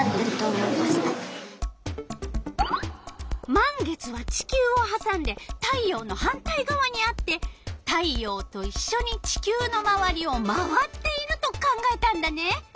満月は地球をはさんで太陽の反対がわにあって太陽といっしょに地球のまわりを回っていると考えたんだね。